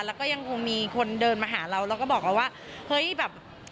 แล้วก็ยังคงมีคนเดินมาหาเราแล้วก็บอกเราว่าเฮ้ยแบบ